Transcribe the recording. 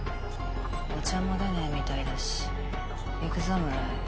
お茶も出ないみたいだし行くぞ村井。